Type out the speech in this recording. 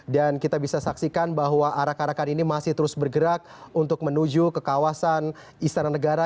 dan kita bisa saksikan bahwa arah arahkan ini masih terus bergerak untuk menuju ke kawasan istana negara